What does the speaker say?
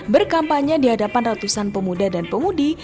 berkampanye di hadapan ratusan pemuda dan pemudi